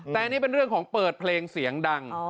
แต่อันนี้เป็นเรื่องของเปิดเพลงเสียงดัง